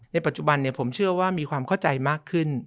ในปัจจุบันผมเชื่อว่ามีความเข้าใจมากขึ้น